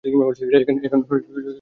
এখন নিলাম শুরু হতে যাচ্ছে।